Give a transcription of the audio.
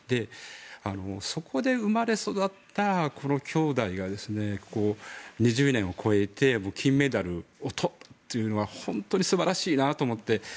そこで生まれ育った兄妹が２０年を超えて金メダルをとるというのは本当に素晴らしいなと思って。